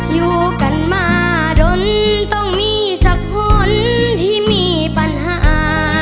อยู่กันมาดนต้องมีสักคนที่มีปัญหา